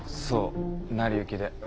そう成り行きで。